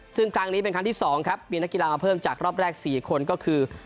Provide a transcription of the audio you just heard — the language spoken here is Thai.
ซึ่งครั้งนี้เป็นครั้งที่๒ครับมีนักกีฬามาเพิ่มจากรอบแรก๔คนก็คือ